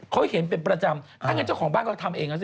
เขาเห็นเป็นประจำถ้างั้นเจ้าของบ้านก็ทำเองแล้วสิ